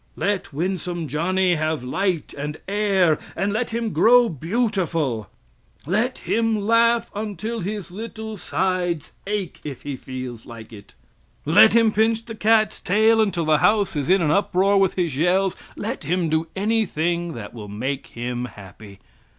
Let winsome Johnny have light and air, and let him grow beautiful; let him laugh until his little sides ache, if he feels like it; let him pinch the cat's tail until the house is in an uproar with his yells let him do anything that will make him happy.